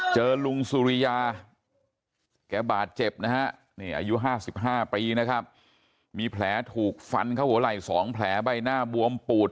เจอลุงสุริยาแกบาดเจ็บนะฮะนี่อายุ๕๕ปีนะครับมีแผลถูกฟันเข้าหัวไหล่๒แผลใบหน้าบวมปูด